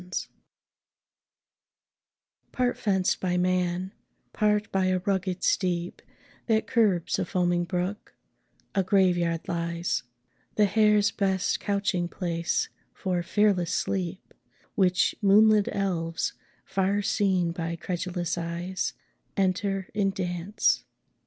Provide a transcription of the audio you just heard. ] Part fenced by man, part by a rugged steep That curbs a foaming brook, a Grave yard lies; The hare's best couching place for fearless sleep; Which moonlit elves, far seen by credulous eyes, Enter in dance.